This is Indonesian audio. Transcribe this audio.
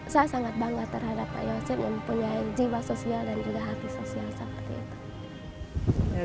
saya sangat bangga terhadap pak yosep yang punya jiwa sosial dan juga hati sosial seperti itu